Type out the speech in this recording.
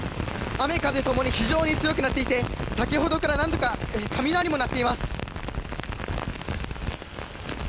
雨風共に非常に強くなっていて先ほどから何度か雷も鳴っています。